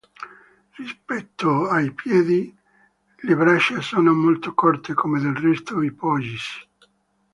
Rispetto ai piedi le braccia sono molto corte, come del resto i pollici.